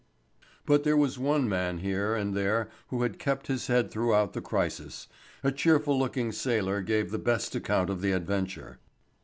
But there was one man here and there who had kept his head throughout the crisis. A cheerful looking sailor gave the best account of the adventure.